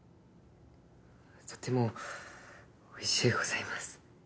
とてもおいしゅうございます。